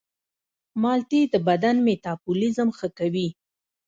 مالټې د بدن میتابولیزم ښه کوي.